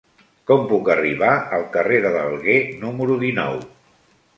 Com puc arribar al carrer de l'Alguer número dinou?